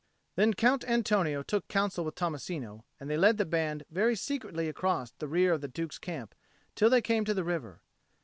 Then Count Antonio took counsel with Tommasino; and they led the band very secretly across the rear of the Duke's camp till they came to the river.